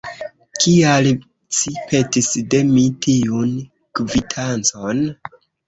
Kial ci petis de mi tiun kvitancon?